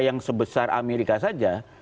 yang sebesar amerika saja